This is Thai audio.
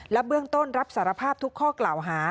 เบื้องต้นรับสารภาพทุกข้อกล่าวหา